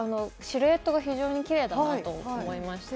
シルエットが非常にキレイだなと思いました。